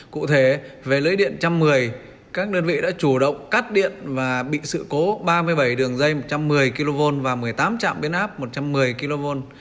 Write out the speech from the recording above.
cụ thể về lưới điện một trăm một mươi các đơn vị đã chủ động cắt điện và bị sự cố ba mươi bảy đường dây một trăm một mươi kv và một mươi tám trạm biến áp một trăm một mươi kv